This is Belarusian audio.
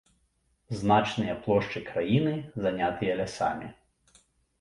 Значныя плошчы краіны занятыя лясамі.